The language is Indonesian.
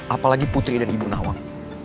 apalagi putri dan ibu nawang